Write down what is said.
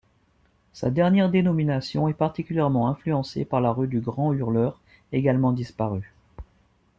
Sa dernière dénomination est probablement influencée par la rue du Grand-Hurleur, également disparue.